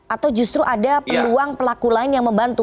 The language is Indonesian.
atau justru ada peluang pelaku lain yang membantu